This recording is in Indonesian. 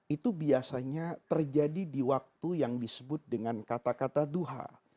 itu biasanya terjadi di waktu yang disebut dengan kata kata duha